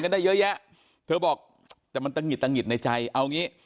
ได้เยอะแยะเธอบอกแต่มันตะหิดตะหิดในใจเอางี้